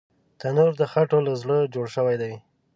تنور د خټو له زړه جوړ شوی وي